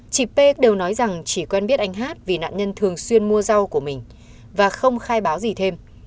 chị p đều nói rằng chỉ quen biết anh hát vì nạn nhân thường xuyên mua rau của mình và không khai báo gì thêm